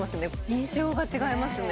印象が違いますね